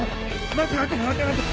待て待て待て待て！